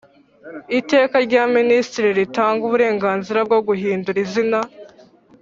Iteka rya minisitiri ritanga uburenganzira bwo guhindura izina